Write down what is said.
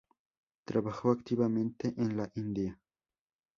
Trabajó activamente en la India.